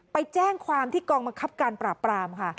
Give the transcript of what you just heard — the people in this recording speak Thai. ไปแจ้งความที่กองบังคับการปราบปรามค่ะ